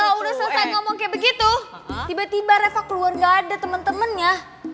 kalau udah selesai ngomong kayak begitu tiba tiba reva keluar gak ada temen temennya